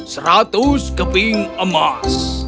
seratus keping emas